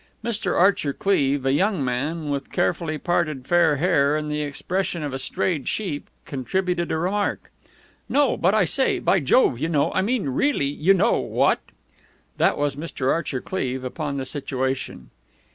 Mr. Archer Cleeve, a young man with carefully parted fair hair and the expression of a strayed sheep, contributed a remark. "No, but I say, by Jove, you know, I mean really, you know, what?" That was Mr. Archer Cleeve upon the situation.